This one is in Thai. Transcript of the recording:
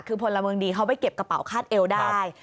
คือพลเมืองดีเขาไปเก็บกระเป๋าคาดเอวได้